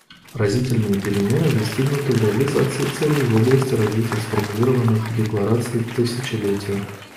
Разительные перемены достигнуты в реализации целей в области развития, сформулированных в Декларации тысячелетия.